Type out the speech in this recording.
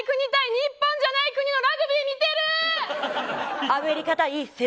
日本じゃない国のラグビー見てる！